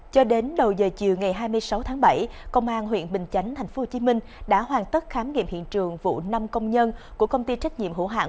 cho đến đầu giờ chiều ngày hai mươi sáu tháng bảy công an huyện bình chánh tp hcm đã hoàn tất khám nghiệm hiện trường vụ năm công nhân của công ty trách nhiệm hữu hạng